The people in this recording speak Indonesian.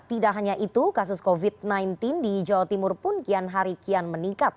tidak hanya itu kasus covid sembilan belas di jawa timur pun kian hari kian meningkat